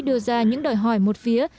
đưa ra những đòi hỏi một phía